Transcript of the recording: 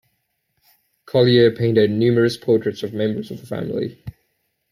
Collier painted numerous portraits of members of the family.